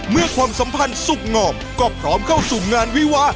ความสัมพันธ์สุขงอกก็พร้อมเข้าสู่งานวิวา